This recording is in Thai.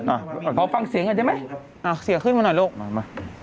อ่ะเค้าฟังเสียงอ่ะได้ไหม